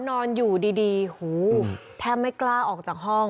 นอนอยู่ดีหูแทบไม่กล้าออกจากห้อง